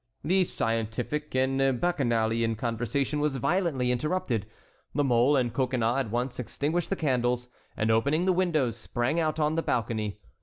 The scientific and bacchanalian conversation was violently interrupted. La Mole and Coconnas at once extinguished the candles, and opening the windows, sprang out on the balcony.